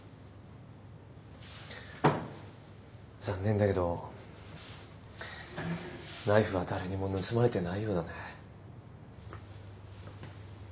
残念だけどナイフは誰にも盗まれてないようだね。